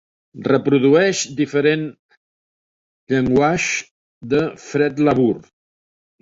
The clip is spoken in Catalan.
Reprodueix "Different Slanguages" de Fred LaBour.